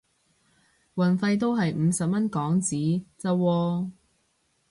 運費都係五十蚊港紙咋喎